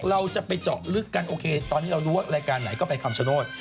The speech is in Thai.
เราจะไปเจาะลึกกันโอเคตอนนี้เรารู้ว่ารายการไหนก็ไปคำชโนธ